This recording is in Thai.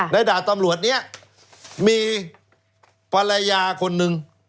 ในดาบตำรวจเนี่ยมีภรรยาคนหนึ่ง